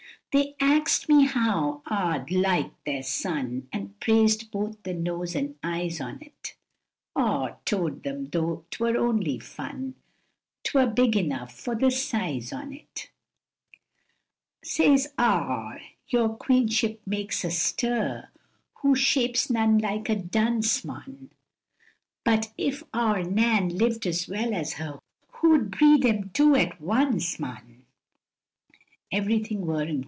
They ax'd me heau aw liked their son, an' prais'd both th' nose an eyes on't, Aw towd 'em though't were only fun, 't wur big enough for th' size on't, Says aw your Queenship makes a stir (hoo shapes none like a dunce mon But if eaur Nan lived as well as her hoo'd breed 'em two at wonce mon,) Everything wur, &c.